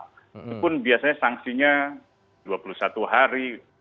itu pun biasanya sanksinya dua puluh satu hari